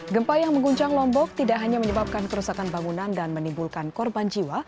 gempa yang mengguncang lombok tidak hanya menyebabkan kerusakan bangunan dan menimbulkan korban jiwa